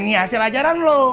ini hasil ajaran lu